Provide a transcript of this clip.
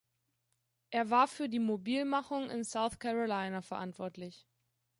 Er war für die Mobilmachung in South Carolina verantwortlich.